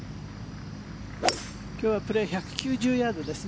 今日はプレー１９０ヤードです。